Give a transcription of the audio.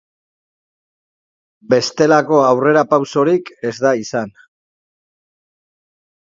Bestelako aurrerapausirik ez da izan.